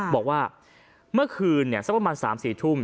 บอกว่าเมื่อคืนเนี้ยสักประมาณสามสี่ทุ่ม